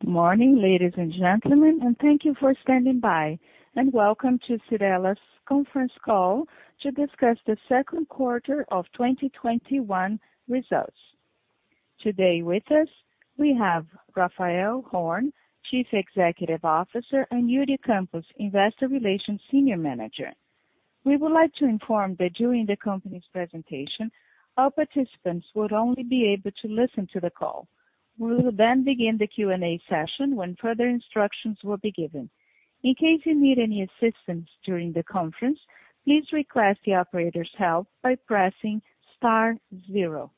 Good morning, ladies and gentlemen, and thank you for standing by, and welcome to Cyrela's conference call to discuss the second quarter of 2021 results. Today with us, we have Raphael Horn, Chief Executive Officer, and Iuri Campos, Investor Relations Senior Manager. We would like to inform that during the company's presentation, all participants would only be able to listen to the call. We will then begin the Q&A session when further instructions will be given. In case you need any assistance during the conference, please request the operator's help by pressing star zero.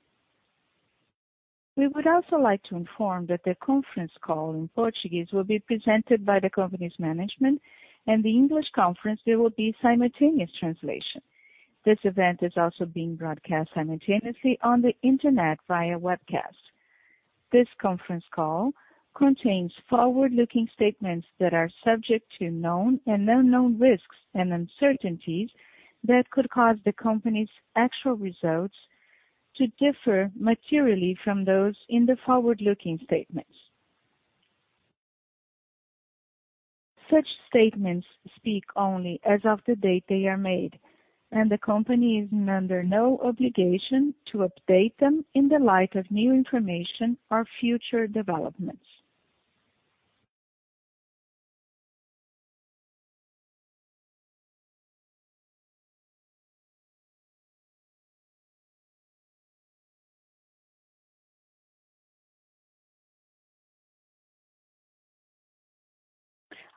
We would also like to inform that the conference call in Portuguese will be presented by the company's management and the English conference there will be simultaneous translation. This event is also being broadcast simultaneously on the internet via webcast. This conference call contains forward-looking statements that are subject to known and unknown risks and uncertainties that could cause the company's actual results to differ materially from those in the forward-looking statements. Such statements speak only as of the date they are made, and the company is under no obligation to update them in the light of new information or future developments.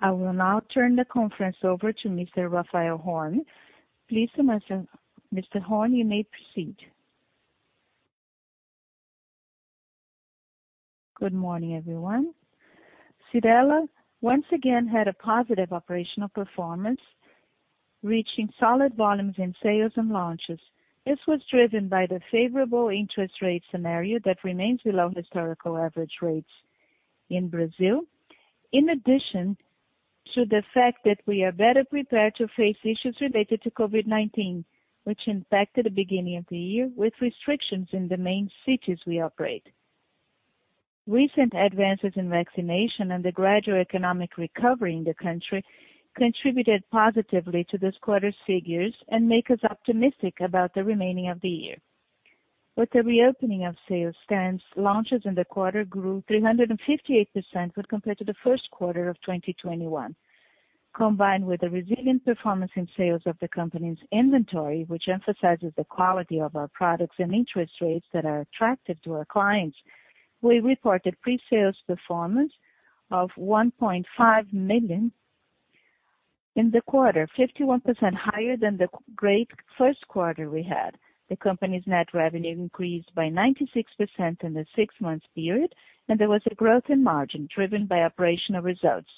I will now turn the conference over to Mr. Raphael Horn. Please, Mr. Horn, you may proceed. Good morning, everyone. Cyrela, once again, had a positive operational performance, reaching solid volumes in sales and launches. This was driven by the favorable interest rate scenario that remains below historical average rates in Brazil. In addition to the fact that we are better prepared to face issues related to COVID-19, which impacted the beginning of the year with restrictions in the main cities we operate. Recent advances in vaccination and the gradual economic recovery in the country contributed positively to this quarter's figures and make us optimistic about the remaining of the year. With the reopening of sales stands, launches in the quarter grew 358% when compared to the first quarter of 2021. Combined with the resilient performance in sales of the company's inventory, which emphasizes the quality of our products and interest rates that are attractive to our clients, we reported pre-sales performance of 1.5 million in the quarter, 51% higher than the great first quarter we had. The company's net revenue increased by 96% in the six months period, and there was a growth in margin driven by operational results.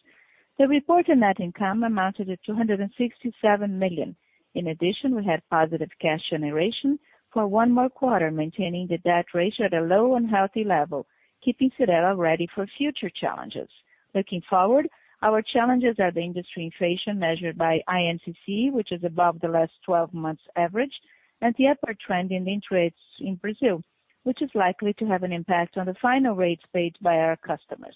The reported net income amounted to 267 million. In addition, we had positive cash generation for one more quarter, maintaining the debt ratio at a low and healthy level, keeping Cyrela ready for future challenges. Looking forward, our challenges are the industry inflation measured by INCC, which is above the last 12 months average, and the upward trend in interest in Brazil, which is likely to have an impact on the final rates paid by our customers.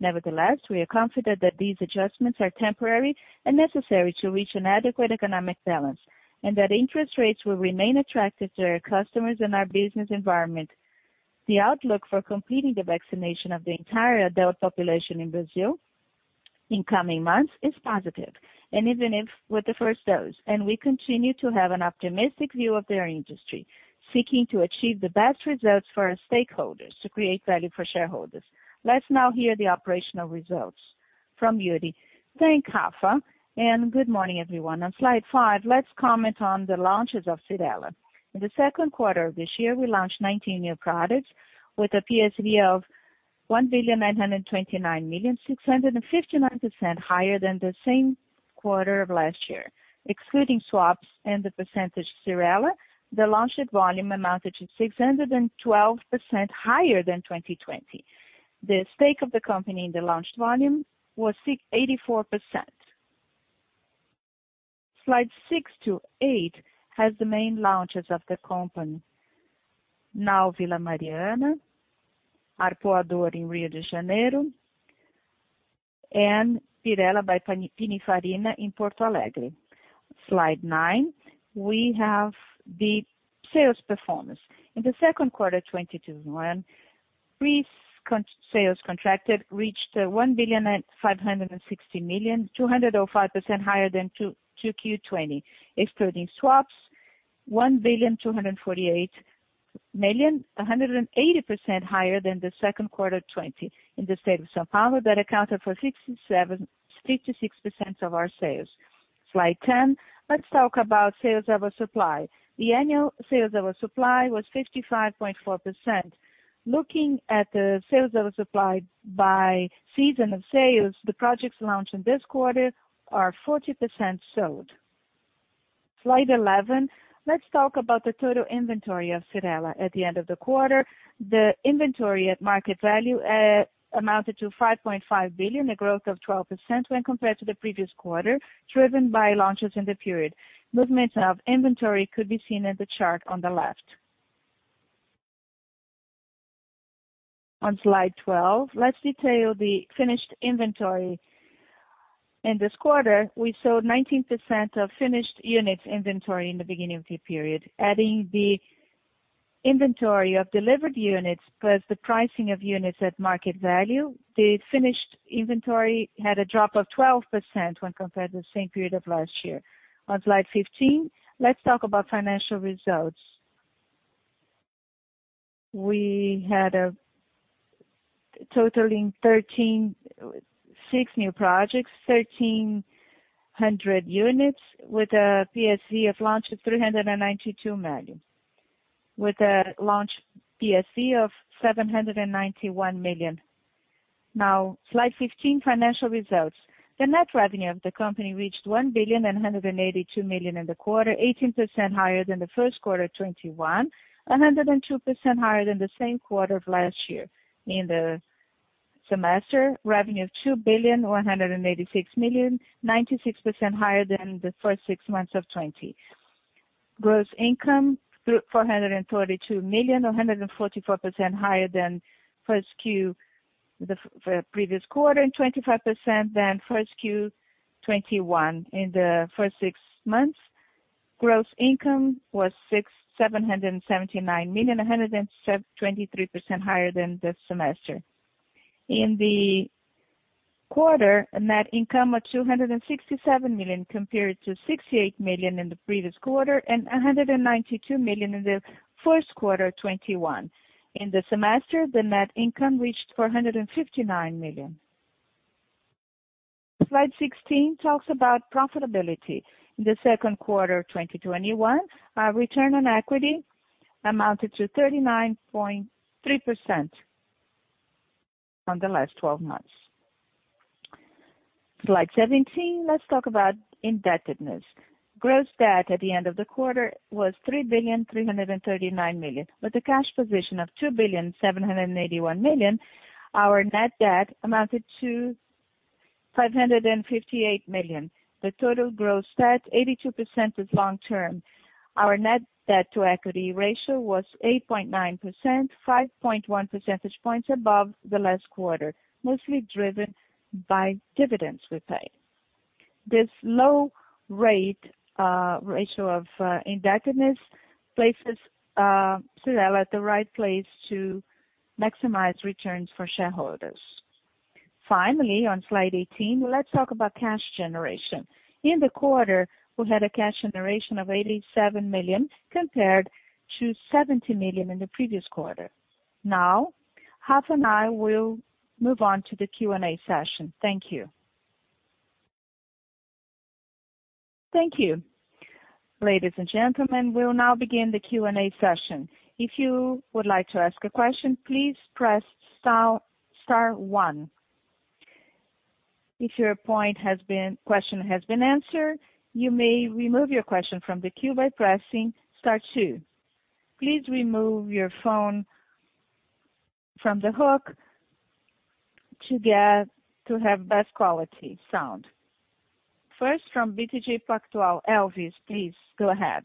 Nevertheless, we are confident that these adjustments are temporary and necessary to reach an adequate economic balance, and that interest rates will remain attractive to our customers and our business environment. The outlook for completing the vaccination of the entire adult population in Brazil in coming months is positive. Even if with the first dose, and we continue to have an optimistic view of their industry, seeking to achieve the best results for our stakeholders to create value for shareholders. Let's now hear the operational results from Iuri. Thanks, Rafa, and good morning, everyone. On slide five, let's comment on the launches of Cyrela. In the second quarter of this year, we launched 19 new products with a PSV of 1,929,000,000- 651% higher than the same quarter of last year. Excluding swaps and the percentage Cyrela, the launched volume amounted to 612% higher than 2020. The stake of the company in the launched volume was 84%. Slide six to eight has the main launches of the company. Now Vila Mariana, Arpoador in Rio de Janeiro, and Cyrela by Pininfarina in Porto Alegre. Slide nine, we have the sales performance. In the second quarter 2021, pre-sales contracted reached 1,560,000,000- 205% higher than 2Q20. Excluding swaps, it was 1,248,000,000- 180% higher than the second quarter 2020. In the state of São Paulo, that accounted for 56% of our sales. Slide 10, let's talk about sales over supply. The annual sales over supply was 55.4%. Looking at the sales over supply by season of sales, the projects launched in this quarter are 40% sold. Slide 11, let's talk about the total inventory of Cyrela. At the end of the quarter, the inventory at market value amounted to 5.5 billion, a growth of 12% when compared to the previous quarter, driven by launches in the period. Movements of inventory could be seen at the chart on the left. On slide 12, let's detail the finished inventory. In this quarter, we sold 19% of finished units inventory in the beginning of the period. Adding the inventory of delivered units plus the pricing of units at market value, the finished inventory had a drop of 12% when compared to the same period of last year. On slide 15, let's talk about financial results. We had a total in six new projects, 1,300 units with a PSV of launch of 392 million, with a launch PSV of 791 million. Slide 15, financial results. The net revenue of the company reached 1,182,000,000 billion in the quarter, 18% higher than the first quarter 2021, 102% higher than the same quarter of last year. In the semester, revenue of 2,186,000,000- 96% higher than the first six months of 2020. Gross income, 432 million, 144% higher than the 1Q previous quarter, and 25% than 1Q 2021. In the first six months, gross income was 779 million, 123% higher than this semester. In the quarter, net income was 267 million, compared to 68 million in the previous quarter and 192 million in the first quarter 2021. In the semester, the net income reached 459 million. Slide 16 talks about profitability. In the second quarter 2021, our return on equity amounted to 39.3% on the last 12 months. Slide 17, let's talk about indebtedness. Gross debt at the end of the quarter was 3,339,000,000. With a cash position of 2,781,000,000, our net debt amounted to 558 million. The total gross debt, 82%, is long-term. Our net debt to equity ratio was 8.9%, 5.1 percentage points above the last quarter, mostly driven by dividends we paid. This low ratio of indebtedness places Cyrela at the right place to maximize returns for shareholders. Finally, on slide 18, let's talk about cash generation. In the quarter, we had a cash generation of 87 million compared to 70 million in the previous quarter. Rafa and I will move on to the Q&A session. Thank you. Thank you. Ladies and gentlemen, we'll now begin the Q&A session. If you would like to ask a question, please press star one. If your question has been answered, you may remove your question from the queue by pressing star two. Please remove your phone from the hook, to have better quality sound. First from BTG Pactual, Elvis, please go ahead.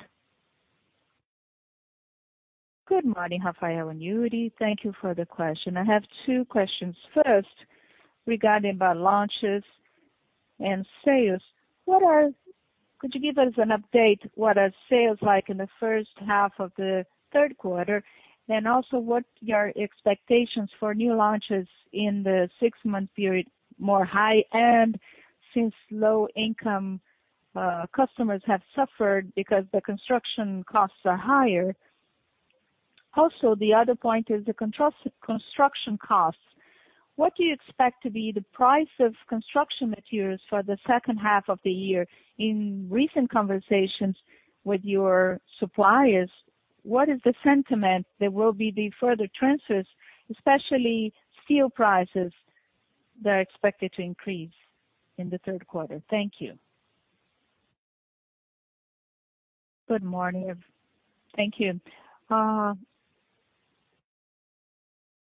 Good morning, Raphael and Iuri. Thank you for the question. I have two questions. First, regarding about launches and sales. Could you give us an update what are sales like in the first half of the third quarter? Also what are your expectations for new launches in the six-month period, more high-end since low-income customers have suffered because the construction costs are higher. Also, the other point is the construction costs. What do you expect to be the price of construction materials for the second half of the year? In recent conversations with your suppliers, what is the sentiment there will be the further transfers, especially steel prices that are expected to increase in the third quarter? Thank you. Good morning. Thank you.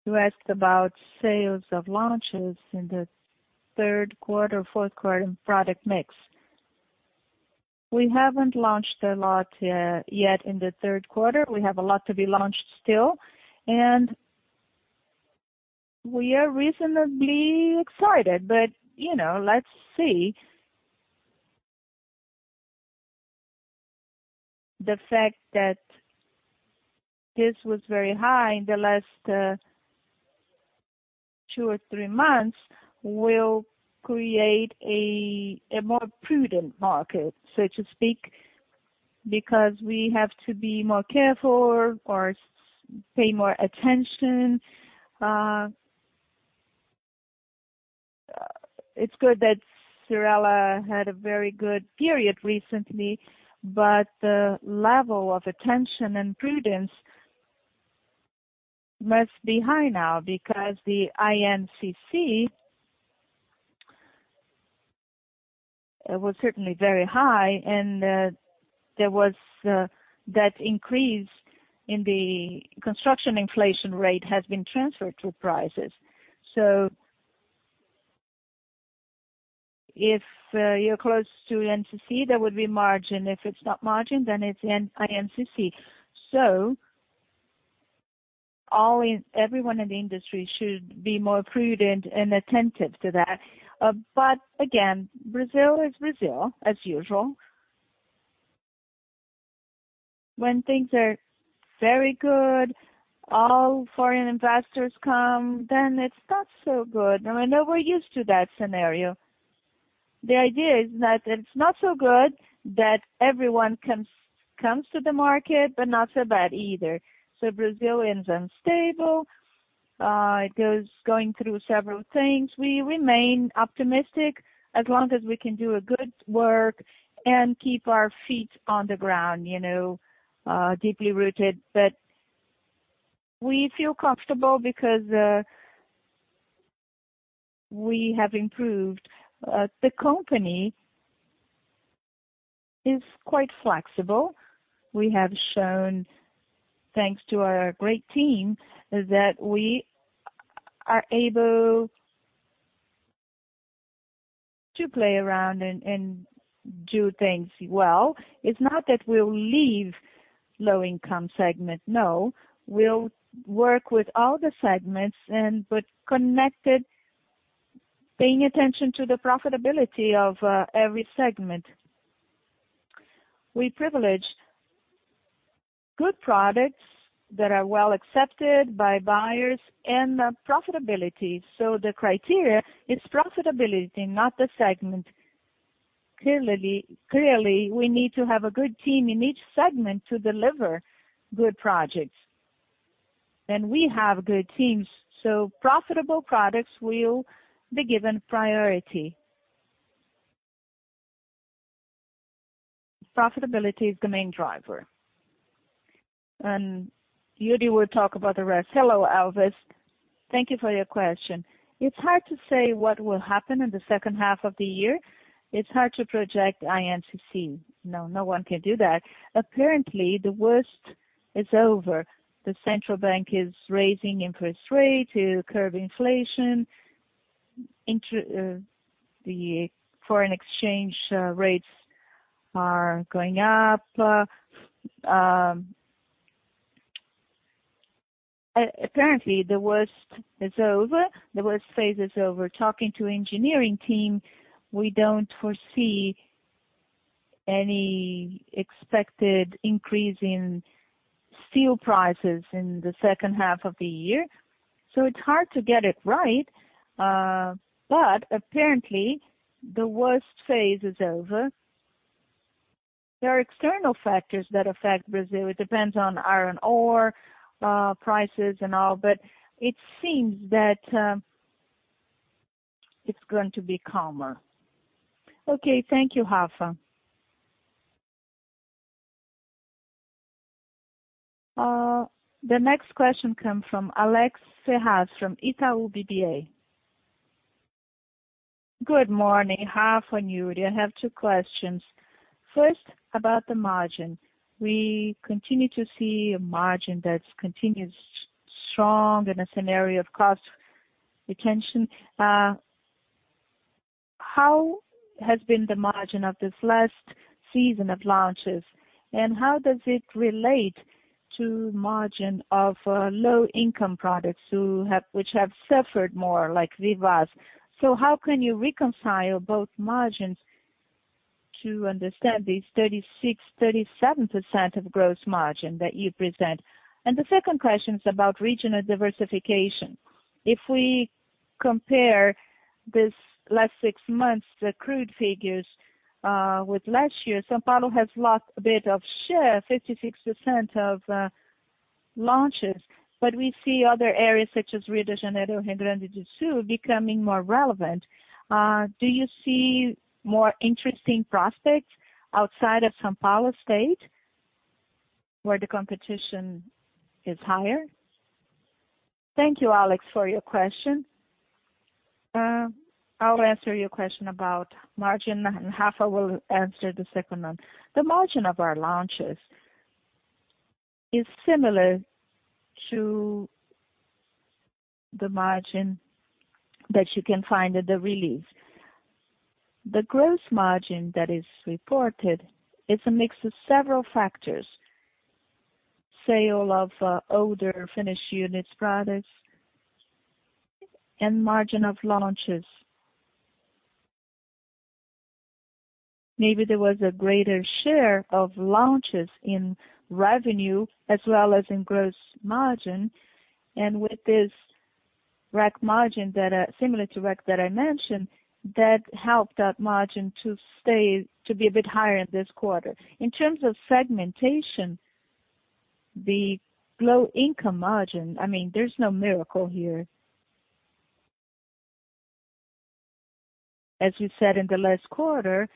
You asked about sales of launches in the third quarter, fourth quarter, and product mix. We haven't launched a lot yet in the third quarter. We have a lot to be launched still, and we are reasonably excited. Let's see. The fact that this was very high in the last two or three months will create a more prudent market, so to speak, because we have to be more careful or pay more attention. It's good that Cyrela had a very good period recently, but the level of attention and prudence must be high now because the INCC was certainly very high, and that increase in the construction inflation rate has been transferred to prices. If you're close to INCC, there would be margin. If it's not margin, then it's INCC. Everyone in the industry should be more prudent and attentive to that. Again, Brazil is Brazil, as usual. When things are very good, all foreign investors come, then it's not so good. I know we're used to that scenario. The idea is that it's not so good that everyone comes to the market, but not so bad either. Brazil is unstable. It goes going through several things. We remain optimistic as long as we can do a good work and keep our feet on the ground, deeply rooted. We feel comfortable because we have improved. The company is quite flexible. We have shown, thanks to our great team, that we are able to play around and do things well. It's not that we'll leave low-income segment, no. We'll work with all the segments, but connected, paying attention to the profitability of every segment. We privilege good products that are well accepted by buyers and profitability. The criteria is profitability, not the segment. Clearly, we need to have a good team in each segment to deliver good projects. We have good teams, so profitable products will be given priority. Profitability is the main driver. Iuri will talk about the rest. Hello, Elvis. Thank you for your question. It's hard to say what will happen in the second half of the year. It's hard to project INCC. No one can do that. Apparently, the worst is over. The central bank is raising interest rate to curb inflation. The foreign exchange rates are going up. Apparently, the worst phase is over. Talking to engineering team, we don't foresee any expected increase in steel prices in the second half of the year. It's hard to get it right. Apparently, the worst phase is over. There are external factors that affect Brazil. It depends on iron ore prices and all, but it seems that it's going to be calmer. Okay. Thank you, Rafa. The next question come from Alex Ferraz from Itaú BBA. Good morning, Rafa and Iuri. I have two questions. First, about the margin. We continue to see a margin that continues strong in a scenario of cost retention. How has been the margin of this last season of launches, and how does it relate to margin of low-income products which have suffered more, like Vivaz? How can you reconcile both margins to understand this 36%, 37% of gross margin that you present? The second question is about regional diversification. If we compare this last six months, the crude figures with last year, São Paulo has lost a bit of share, 56% of launches. We see other areas such as Rio de Janeiro, Rio Grande do Sul, becoming more relevant. Do you see more interesting prospects outside of São Paulo state, where the competition is higher? Thank you, Alex, for your question. I'll answer your question about margin, and Rafa will answer the second one. The margin of our launches is similar to the margin that you can find at the release. The gross margin that is reported is a mix of several factors. Sale of older finished units products, and margin of launches. Maybe there was a greater share of launches in revenue as well as in gross margin. With this similar to REF that I mentioned, that helped that margin to be a bit higher this quarter. In terms of segmentation, the low-income margin. There's no miracle here. We said in the last quarter,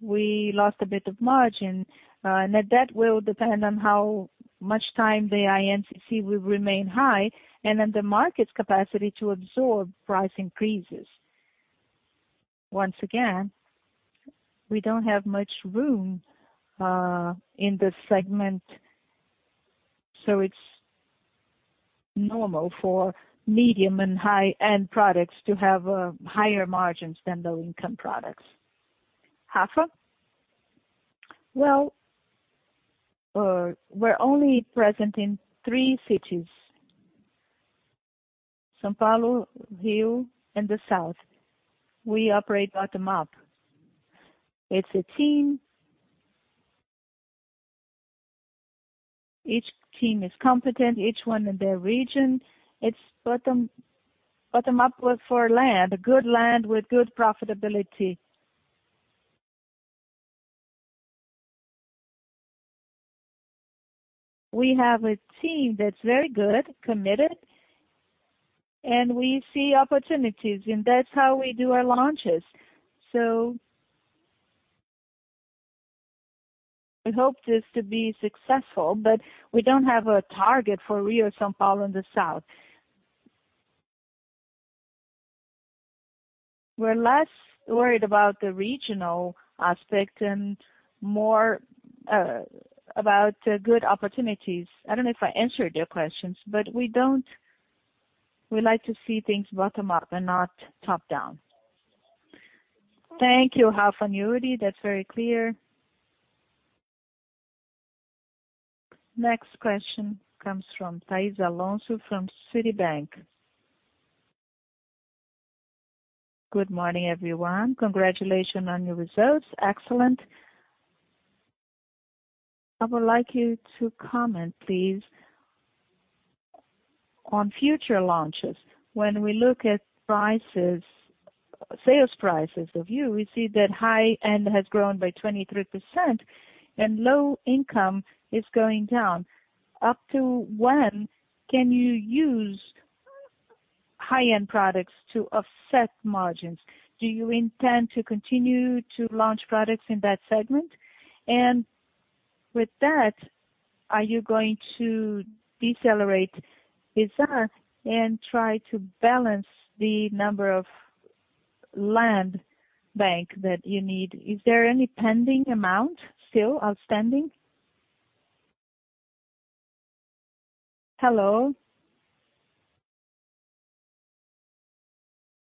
we lost a bit of margin, and that will depend on how much time the INCC will remain high and on the market's capacity to absorb price increases. Once again, we don't have much room in this segment. It's normal for medium and high-end products to have higher margins than low-income products. Rafa? Well, we're only present in three cities, São Paulo, Rio, and the South. We operate bottom-up. It's a team. Each team is competent, each one in their region. It's bottom-up work for land. A good land with good profitability. We have a team that's very good, committed, and we see opportunities, and that's how we do our launches. We hope this to be successful, but we don't have a target for Rio, São Paulo, and the South. We're less worried about the regional aspect and more about good opportunities. I don't know if I answered your questions, but we like to see things bottom-up and not top-down. Thank you, Rafa and Iuri. That's very clear. Next question comes from Thais Alonso from Citibank. Good morning, everyone. Congratulations on your results. Excellent. I would like you to comment, please, on future launches. When we look at sales prices of you, we see that high-end has grown by 23%, and low income is going down. Up to when can you use high-end products to offset margins? Do you intend to continue to launch products in that segment? With that, are you going to decelerate Vivaz and try to balance the number of land bank that you need? Is there any pending amount still outstanding? Hello.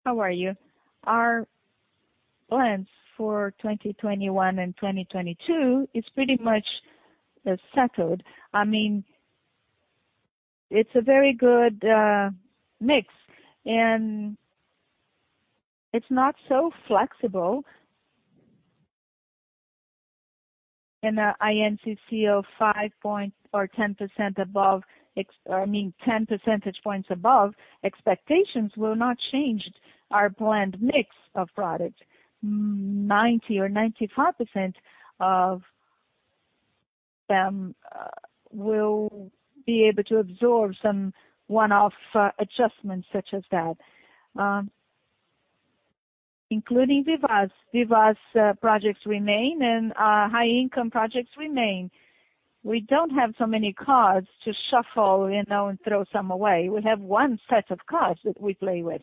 How are you? Our plans for 2021 and 2022 is pretty much settled. I mean, it's a very good mix, and it's not so flexible. An INCC of five point or 10 percentage points above expectations will not change our blend mix of product. 90% or 95% of them will be able to absorb some one-off adjustments such as that, including Vivaz. Vivaz projects remain and our high-income projects remain. We don't have so many cards to shuffle and throw some away. We have one set of cards that we play with.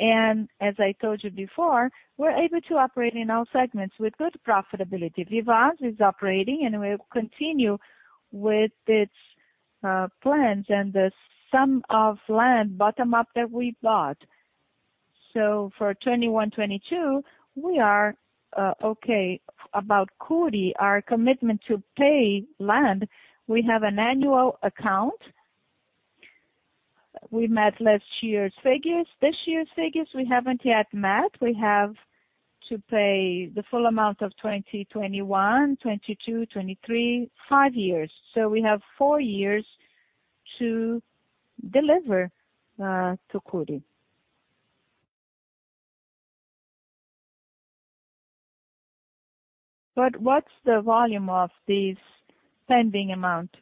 As I told you before, we're able to operate in all segments with good profitability. Vivaz is operating, and we will continue with its plans and the sum of land bottom-up that we bought. For 2021, 2022, we are okay. About Cury, our commitment to pay land, we have an annual account. We met last year's figures. This year's figures we haven't yet met. We have to pay the full amount of 2021, 2022, 2023, five years. We have four years to deliver to Cury. What's the volume of this pending amount?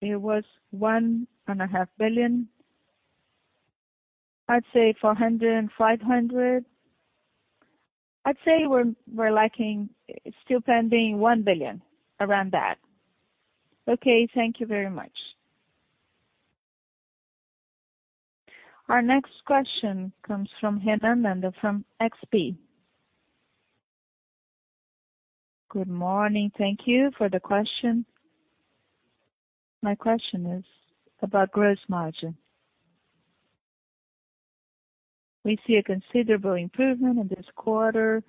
It was 1.5 billion. I'd say 400 and 500. I'd say it's still pending 1 billion, around that. Okay. Thank you very much. Our next question comes from Renan Manda from XP. Good morning. Thank you for the question. My question is about gross margin. We see a considerable improvement in this quarter.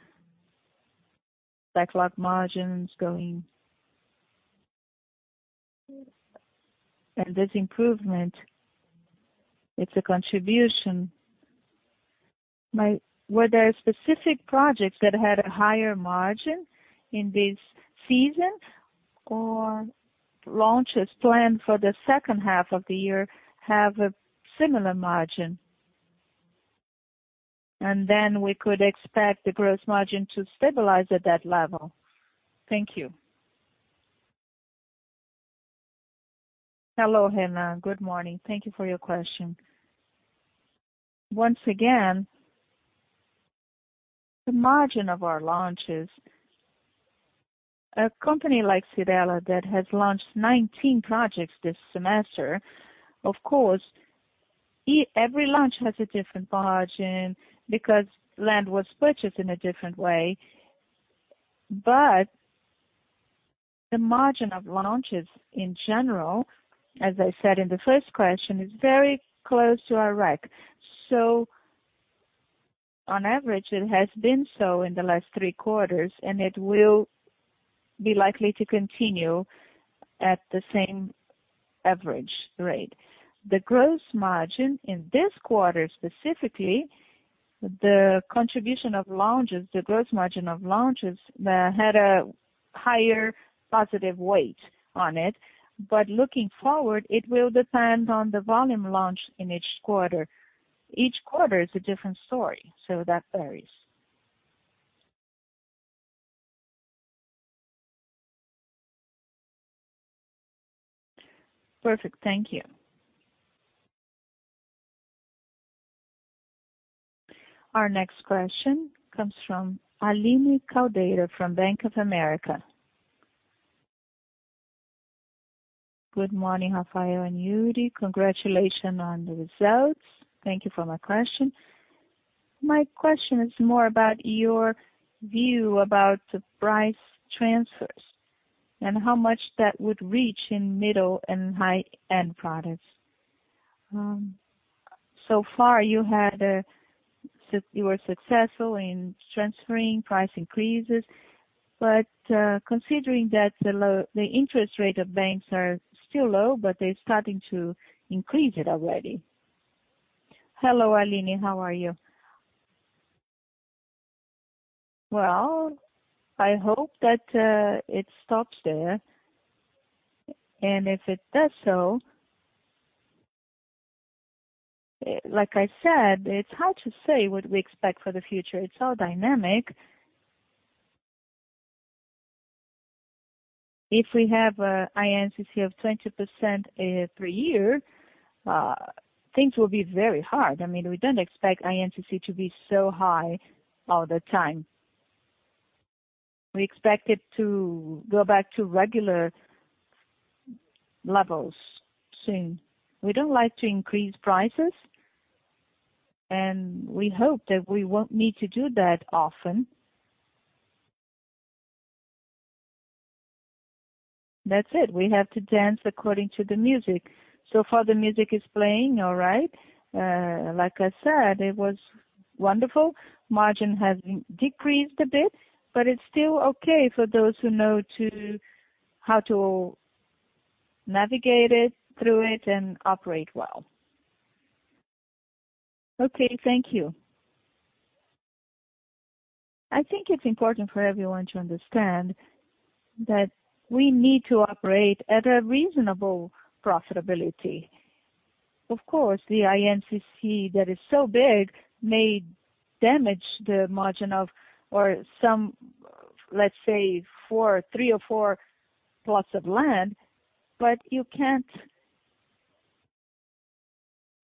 This improvement, it's a contribution. Were there specific projects that had a higher margin in this season, or launches planned for the second half of the year have a similar margin? We could expect the gross margin to stabilize at that level. Thank you. Hello, Renan. Good morning. Thank you for your question. Once again, the margin of our launches, a company like Cyrela that has launched 19 projects this semester, of course, every launch has a different margin because land was purchased in a different way. The margin of launches in general, as I said in the first question, is very close to our REF. On average, it has been so in the last three quarters, and it will be likely to continue at the same average rate. The gross margin in this quarter, specifically, the contribution of launches, the gross margin of launches, had a higher positive weight on it. Looking forward, it will depend on the volume launch in each quarter. Each quarter is a different story, so that varies. Perfect. Thank you. Our next question comes from Aline Caldeira from Bank of America. Good morning, Raphael and Iuri. Congratulations on the results. Thank you for my question. My question is more about your view about the price transfers and how much that would reach in middle and high-end products. So far, you were successful in transferring price increases. Considering that the interest rate of banks are still low, but they're starting to increase it already. Hello, Aline. How are you? Well, I hope that it stops there. If it does so, like I said, it's hard to say what we expect for the future. It's all dynamic. If we have INCC of 20% per year, things will be very hard. We don't expect INCC to be so high all the time. We expect it to go back to regular levels soon. We don't like to increase prices, and we hope that we won't need to do that often. That's it. We have to dance according to the music. So far, the music is playing all right. Like I said, it was wonderful. Margin has decreased a bit, but it's still okay for those who know how to navigate through it and operate well. Okay. Thank you. I think it's important for everyone to understand that we need to operate at a reasonable profitability. Of course, the INCC that is so big may damage the margin of, or some, let's say three or four plots of land, but you can't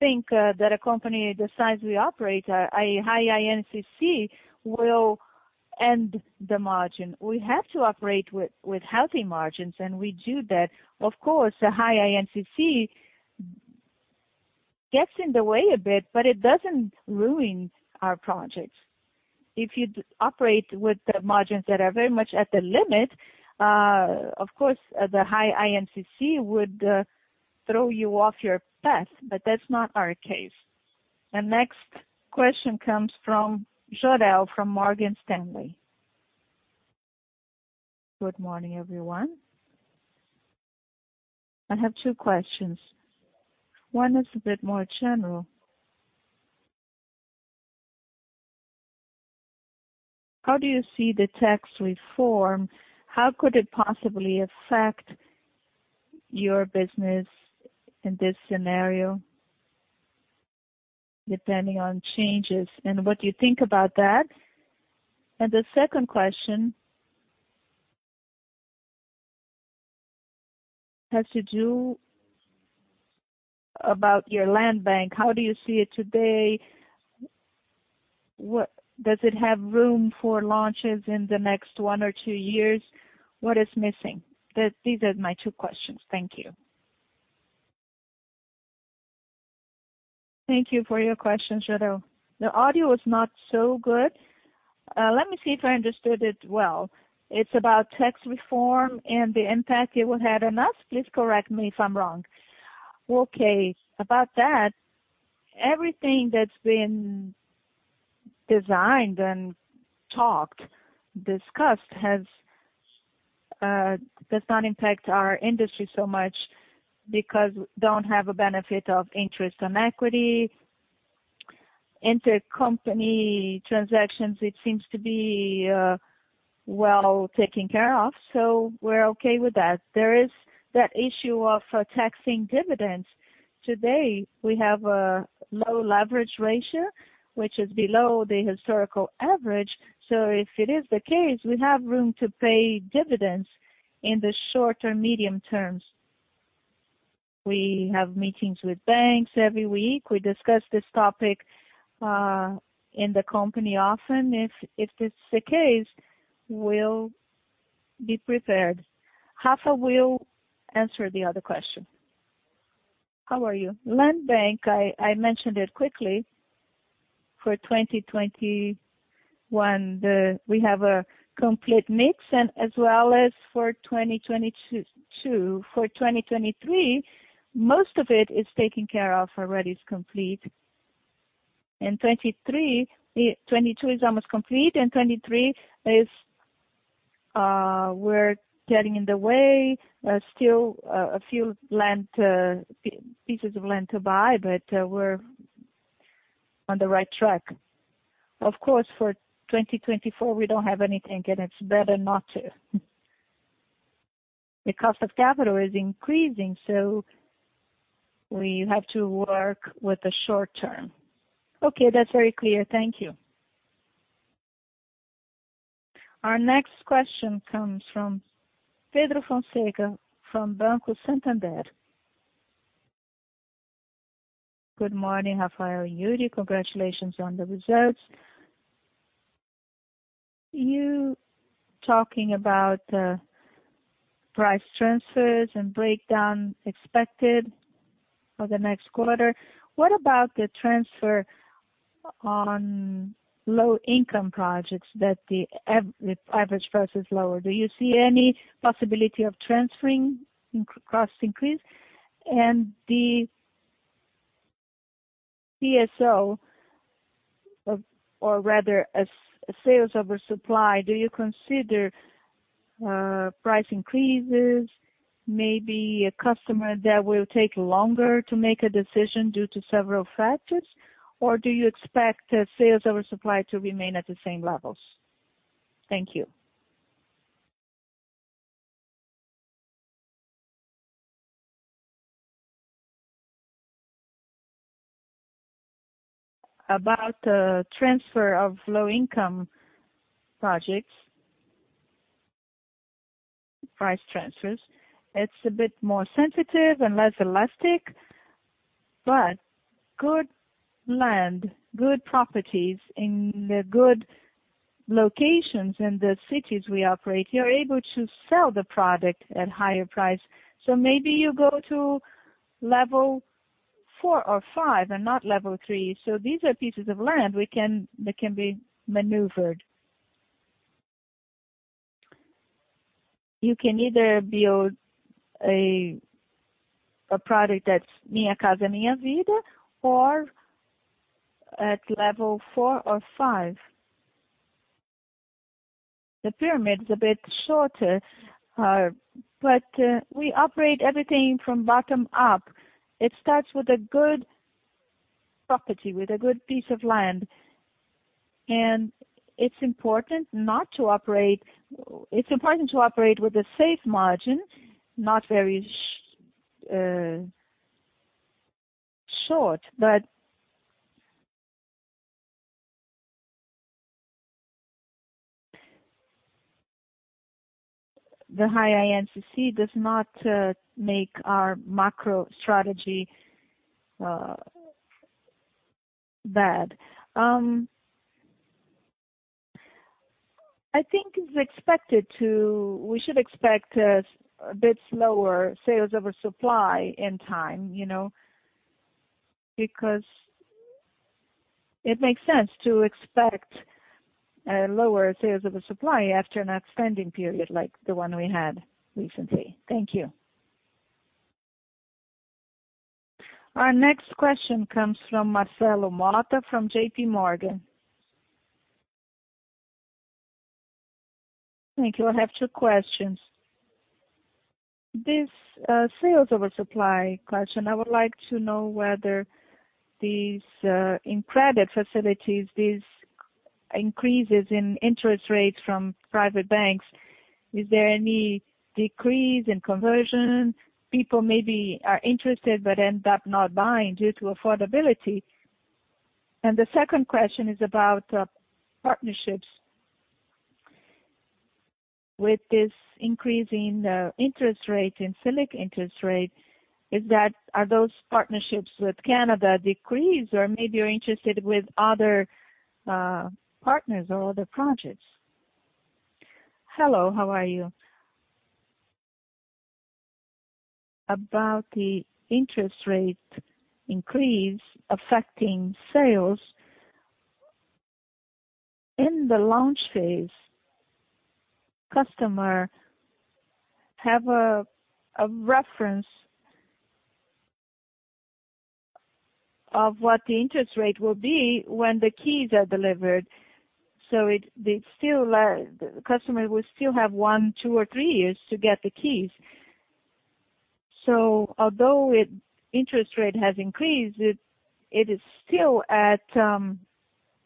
think that a company the size we operate, a high INCC will end the margin. We have to operate with healthy margins, and we do that. Of course, a high INCC gets in the way a bit, but it doesn't ruin our projects. If you operate with margins that are very much at the limit, of course, the high INCC would throw you off your path, but that's not our case. The next question comes from Jorel from Morgan Stanley. Good morning, everyone. I have two questions. One is a bit more general. How do you see the tax reform? How could it possibly affect your business in this scenario, depending on changes? What do you think about that? The second question has to do about your land bank. How do you see it today? Does it have room for launches in the next one or two years? What is missing? These are my two questions. Thank you. Thank you for your question, Jorel. The audio was not so good. Let me see if I understood it well. It's about tax reform and the impact it will have on us. Please correct me if I'm wrong. Okay. About that, everything that's been designed and talked, discussed, does not impact our industry so much because we don't have a benefit of interest on equity. Inter-company transactions, it seems to be well taken care of. We're okay with that. There is that issue of taxing dividends. Today, we have a low leverage ratio, which is below the historical average. If it is the case, we have room to pay dividends in the short or medium terms. We have meetings with banks every week. We discuss this topic in the company often. If this is the case, we'll be prepared. Rafa will answer the other question. How are you? Land bank, I mentioned it quickly for 2021. We have a complete mix, and as well as for 2022. For 2023, most of it is taken care of already, it's complete. 2022 is almost complete, and 2023, we're getting in the way. Still a few pieces of land to buy, but we're on the right track. Of course, for 2024, we don't have anything, and it's better not to. The cost of capital is increasing, so we have to work with the short term. Okay. That's very clear. Thank you. Our next question comes from Pedro Fonseca from Banco Santander. Good morning, Raphael and Iuri. Congratulations on the results. You talking about the price transfers and breakdown expected for the next quarter, what about the transfer on low-income projects that the average price is lower? Do you see any possibility of transferring cost increase? The VSO, or rather sales over supply, do you consider price increases, maybe a customer that will take longer to make a decision due to several factors? Or do you expect sales over supply to remain at the same levels? Thank you. About transfer of low-income projects, price transfers, it's a bit more sensitive and less elastic, but good land, good properties in the good locations in the cities we operate, you're able to sell the product at higher price. Maybe you go to level 4 or 5 and not level 3. These are pieces of land that can be maneuvered. You can either build a product that's Minha Casa, Minha Vida or at level 4 or 5. The pyramid is a bit shorter. We operate everything from bottom up. It starts with a good property, with a good piece of land. It's important to operate with a safe margin, not very short. The high INCC does not make our macro strategy bad. I think we should expect a bit slower sales oversupply in time. It makes sense to expect lower sales over supply after an expanding period like the one we had recently. Thank you. Our next question comes from Marcelo Motta from JPMorgan. Thank you. I have two questions. This sales over supply question, I would like to know whether these in credit facilities, these increases in interest rates from private banks, is there any decrease in conversion? People maybe are interested but end up not buying due to affordability. The second question is about partnerships. With this increase in interest rate and Selic interest rate, are those partnerships with Canada decreased or maybe you're interested with other partners or other projects? Hello, how are you? About the interest rate increase affecting sales. In the launch phase, customer have a reference of what the interest rate will be when the keys are delivered. The customer will still have one two, or three years to get the keys. Although interest rate has increased, it is still at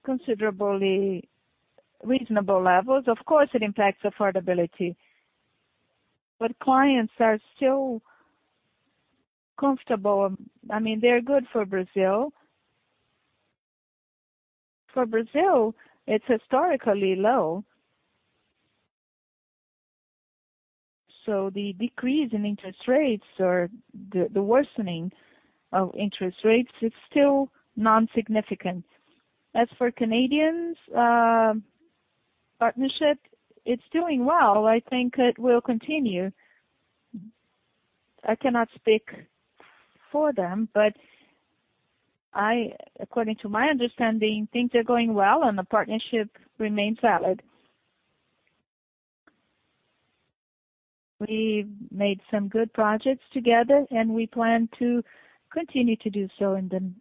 considerably reasonable levels. Of course, it impacts affordability. Clients are still comfortable. They're good for Brazil. For Brazil, it's historically low. The decrease in interest rates or the worsening of interest rates is still non-significant. As for Canadians partnership, it's doing well. I think it will continue. I cannot speak for them, but according to my understanding, things are going well and the partnership remains valid. We made some good projects together, and we plan to continue to do so in the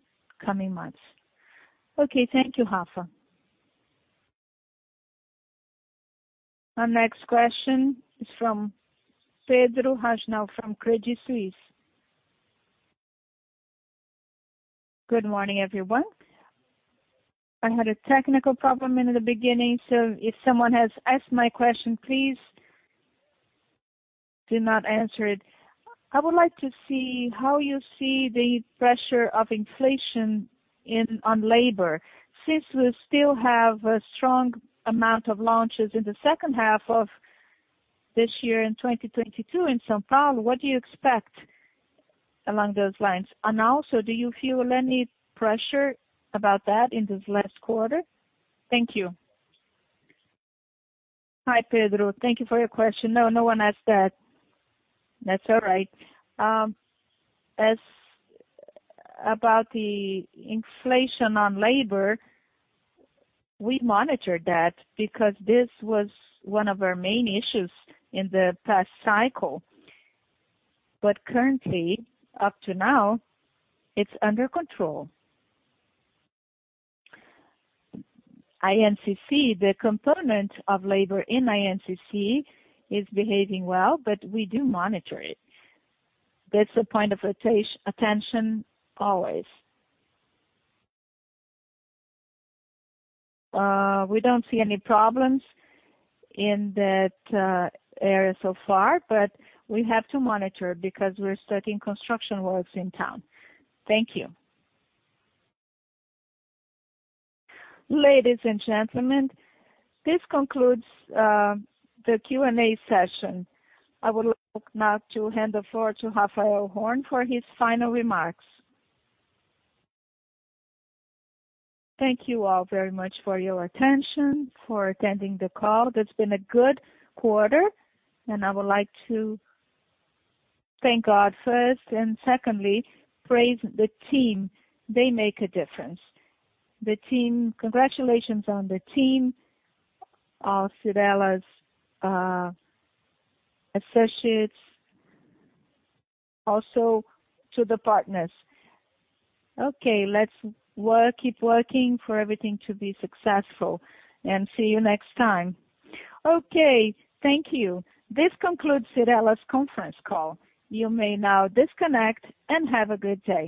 coming months. Okay, thank you, Rafa. Our next question is from Pedro Hajnal now from Credit Suisse. Good morning, everyone. I had a technical problem in the beginning, so if someone has asked my question, please do not answer it. I would like to see how you see the pressure of inflation on labor. Since we still have a strong amount of launches in the second half of this year, in 2022 in São Paulo, what do you expect along those lines? Also, do you feel any pressure about that in this last quarter? Thank you. Hi, Pedro. Thank you for your question. No, no one asked that. That's all right. As about the inflation on labor, we monitor that because this was one of our main issues in the past cycle. Currently, up to now, it's under control. INCC, the component of labor in INCC is behaving well, but we do monitor it. That's a point of attention always. We don't see any problems in that area so far, but we have to monitor it because we're starting construction works in town. Thank you. Ladies and gentlemen, this concludes the Q&A session. I would like now to hand the floor to Raphael Horn for his final remarks. Thank you all very much for your attention, for attending the call. It's been a good quarter, and I would like to thank God first, and secondly, praise the team. They make a difference. Congratulations on the team, all Cyrela's associates, also to the partners. Okay, let's keep working for everything to be successful, and see you next time. Okay. Thank you. This concludes Cyrela's conference call. You may now disconnect and have a good day